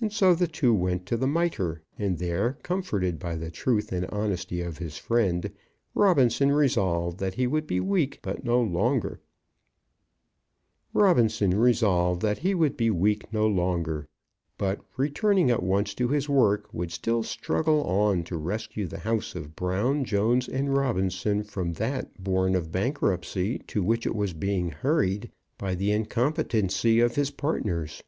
And so the two went to the "Mitre;" and there, comforted by the truth and honesty of his friend, Robinson resolved that he would be weak no longer, but, returning at once to his work, would still struggle on to rescue the house of Brown, Jones, and Robinson from that bourne of bankruptcy to which it was being hurried by the incompetency of his partners.